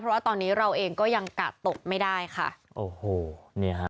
เพราะว่าตอนนี้เราเองก็ยังกะตกไม่ได้ค่ะโอ้โหเนี่ยฮะ